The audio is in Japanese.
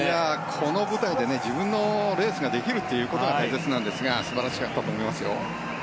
この舞台で自分のレースができるということが大切なんですが素晴らしかったと思いますよ。